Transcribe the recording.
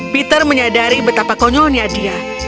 peter menyadari betapa konyolnya dia